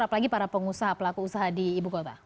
apalagi para pengusaha pelaku usaha di ibu kota